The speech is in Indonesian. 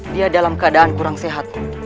dia dalam keadaan kurang sehat